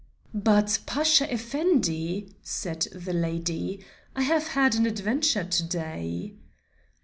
"But, Pasha Effendi," said the lady, "I have had an adventure to day."